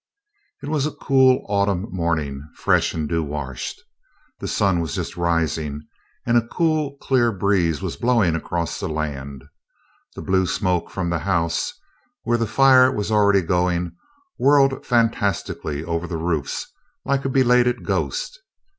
It was a cool Autumn morning, fresh and dew washed. The sun was just rising, and a cool clear breeze was blowing across the land. The blue smoke from the "house," where the fire was already going, whirled fantastically over the roofs like a belated ghost.